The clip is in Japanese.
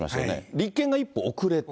立憲が一歩遅れた。